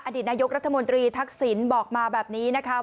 ดีตนายกรัฐมนตรีทักษิณบอกมาแบบนี้นะคะ